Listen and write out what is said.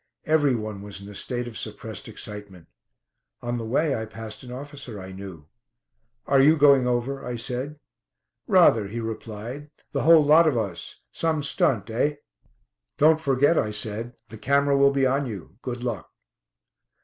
Every one was in a state of suppressed excitement. On the way I passed an officer I knew. "Are you going over?" I said. "Rather," he replied, "the whole lot of us. Some stunt, eh!" "Don't forget," I said, "the camera will be on you; good luck!"